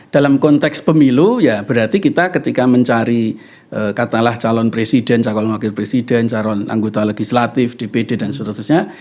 dalam konteks pemilu ya berarti kita ketika mencari katalah calon presiden calon wakil presiden calon anggota legislatif dpd dan seterusnya